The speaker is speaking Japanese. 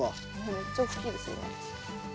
めっちゃ大きいですよね。